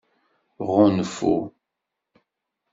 Ɣunfu.